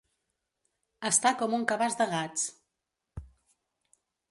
Estar com un cabàs de gats.